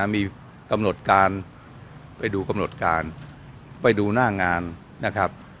มีกำหนดการไปดูกำหนดการไปดูหน้างานนะครับ